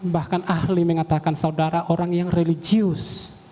bahkan ahli mengatakan saudara orang yang religius